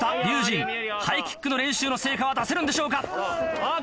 龍心ハイキックの練習の成果は出せるんでしょうか？